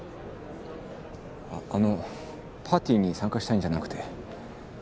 あっあのパーティーに参加したいんじゃなくて。